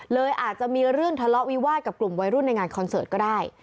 อาจจะมีเรื่องทะเลาะวิวาสกับกลุ่มวัยรุ่นในงานคอนเสิร์ตก็ได้